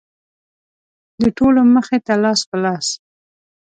د ټولو مخې ته لاس په لاس.